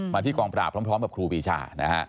มาที่กองประดาษพร้อมกับครูปรีชา